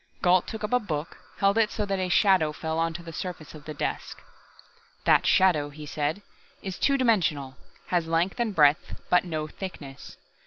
Gault took up a book, held it so that a shadow fell onto the surface of the desk. "That shadow," he said, "is two dimensional, has length and breadth, but no thickness.